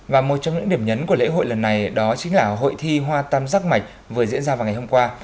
và một trong những điểm nhấn của lễ hội lần này đó chính là hội thi hoa tam giác mạch vừa diễn ra vào ngày hôm qua